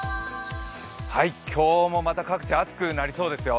今日もまた各地暑くなりそうですよ。